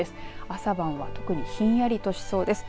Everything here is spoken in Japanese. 朝晩は特にひんやりとしそうです。